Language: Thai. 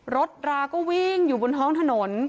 ราก็วิ่งอยู่บนท้องถนน